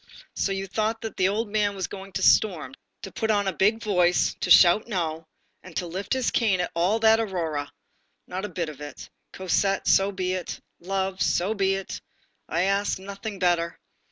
so you thought that the old man was going to storm, to put on a big voice, to shout no, and to lift his cane at all that aurora. Not a bit of it. Cosette, so be it; love, so be it; I ask nothing better.